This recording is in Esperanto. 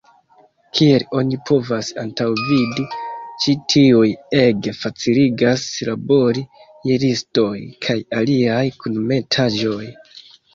Kiel oni povas antaŭvidi, ĉi tiuj ege faciligas labori je listoj kaj aliaj kunmetaĵoj.